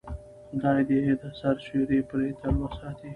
خدای دې د سر سیوری پرې تل وساتي.